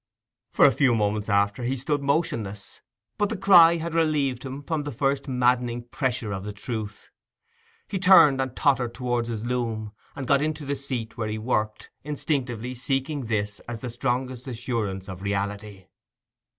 For a few moments after, he stood motionless; but the cry had relieved him from the first maddening pressure of the truth. He turned, and tottered towards his loom, and got into the seat where he worked, instinctively seeking this as the strongest assurance of reality.